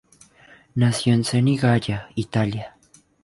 Nació en Senigallia Italia.